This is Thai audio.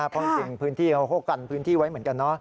พอมีเป็นพื้นที่เขาโฆกันไว้เหมือนกันเนอะ